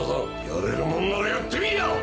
やれるもんならやってみぃや！